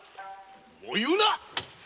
もう言うな！